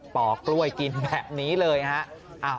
ป่อกล้วยกินแบบนี้เลยฮะ